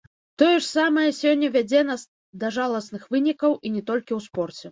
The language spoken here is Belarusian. Тое ж самае сёння вядзе нас да жаласных вынікаў, і не толькі ў спорце.